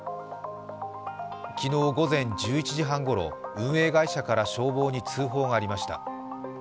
昨日午前１１時半ごろ、運営会社から消防に通報がありました。